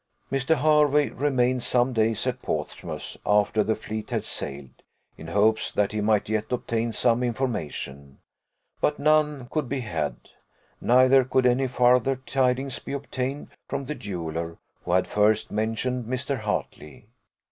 Mr. Hervey remained some days at Portsmouth, after the fleet had sailed, in hopes that he might yet obtain some information; but none could be had; neither could any farther tidings be obtained from the jeweller, who had first mentioned Mr. Hartley.